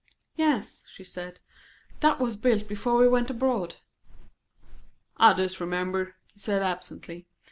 "Yes," she said, "that was built before we went abroad." "I disremember," he said absently.